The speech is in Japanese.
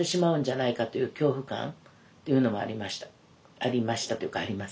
ありましたというかあります。